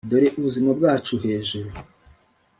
dore ubuzima bwacu hejuru,